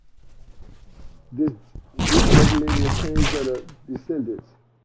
This group regulated the claims of the descendants.